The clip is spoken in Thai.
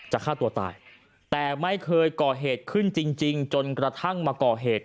ฆ่าตัวตายแต่ไม่เคยก่อเหตุขึ้นจริงจนกระทั่งมาก่อเหตุ